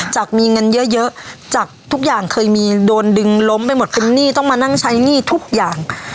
จากมีเงินเยอะจากทุกอย่างเคยมีโดนดึงล้มไปหมดเป็นหนี้ต้องมานั่งใช้หนี้ทุกอย่าง